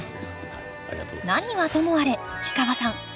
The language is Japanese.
何はともあれ氷川さん